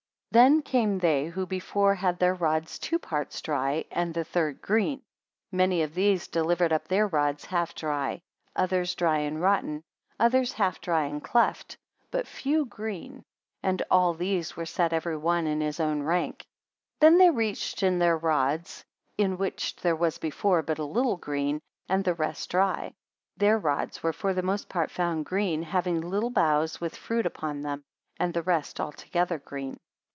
42 Then came they who before had their rods two parts dry and the third green; many of these delivered up their rods half dry, others dry and rotten; others half dry and cleft: but few green. And all these were set every one in his own rank. 43 Then they reached in their rods, in which there was before but a little green, and the rest dry. Their rods were for the most part found green, having little boughs, with fruit upon them; and the rest altogether green.